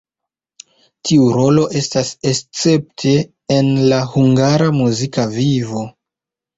Tiu rolo estas escepte en la hungara muzika vivo.